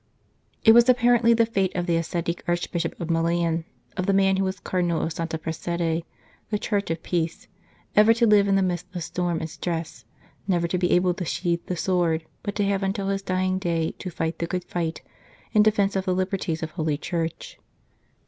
It was apparently the fate of the ascetic Arch bishop of Milan, of the man who was Cardinal of Santa Prassede the Church of Peace ever to live in the midst of storm and stress, never to be able to sheath the sword, but to have until his dying day to fight the good fight in defence of the liberties of Holy Church.